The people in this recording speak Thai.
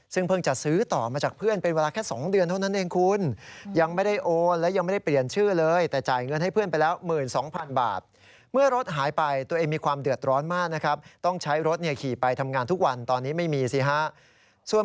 ซึ่งเพิ่งจะซื้อต่อมาจากเพื่อนเป็นเวลาแค่๒เดือนเท่านั้นเองคุณ